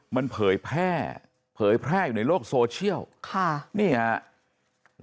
มันเผยแพร่เผยแพร่อยู่ในโลกโซเชียล